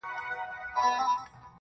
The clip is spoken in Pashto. ستا د سونډو د خندا په خاليگاه كـي.